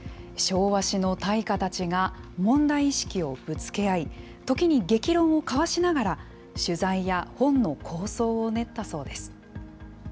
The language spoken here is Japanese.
昭和史の大家たちが、問題意識をぶつけ合い、時に激論を交わしながら、取材や本の構想を練ったそうです。